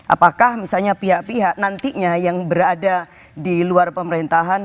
apakah misalnya pihak pihak nantinya yang berada di luar pemerintahan